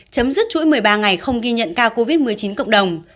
chấm dứt chuỗi một mươi ba ngày không ghi nhận ca covid một mươi chín cộng đồng